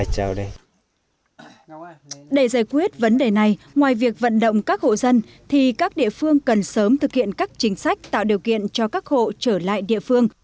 để giải quyết vấn đề này ngoài việc vận động các hộ dân thì các địa phương cần sớm thực hiện các chính sách tạo điều kiện cho các hộ trở lại địa phương